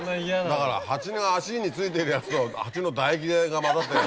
だからハチの脚についてるやつとハチの唾液が混ざってる。